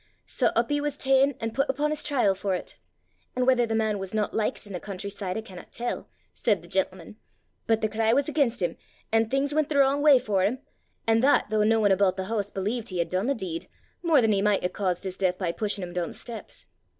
Sae up he was ta'en an' put upo' 's trial for 't. An' whether the man was not likit i' the country side, I cannot tell,' said the gentleman, 'but the cry was again' him, and things went the wrong way for him and that though no one aboot the hoose believed he had done the deed, more than he micht hae caused his deith by pushin' him doon the steps.